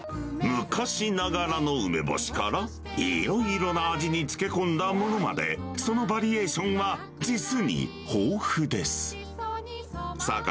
昔ながらの梅干しからいろいろな味に漬け込んだものまで、そのバリエーションは、実に豊富です。